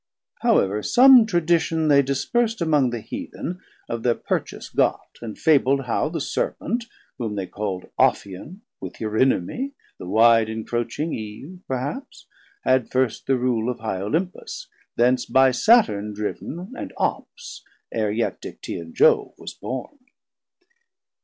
However some tradition they dispers'd Among the Heathen of thir purchase got, And Fabl'd how the Serpent, whom they calld 580 Ophion with Eurynome, the wide Encroaching Eve perhaps, had first the rule Of high Olympus, thence by Saturn driv'n And Ops, ere yet Dictaean Jove was born.